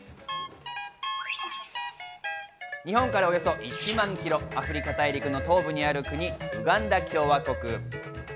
日本からおよそ１万キロ、アフリカ大陸の東部にある国、ウガンダ共和国。